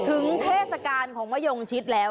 เทศกาลของมะยงชิดแล้ว